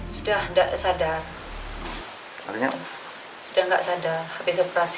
sudah tidak sadar sudah tidak sadar habis operasi